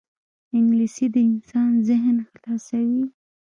انګلیسي د انسان ذهن خلاصوي